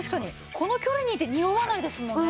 この距離にいてにおわないですもんね。